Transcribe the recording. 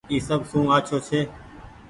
اي سب سون آڇو ڇي۔